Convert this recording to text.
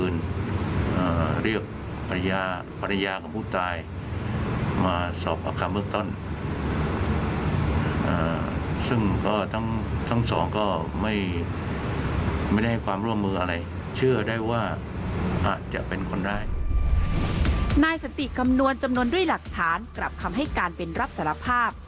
นายสันติคำนวณจำนวนด้วยหลักฐานกลับคำให้การเป็นรับสารภาพ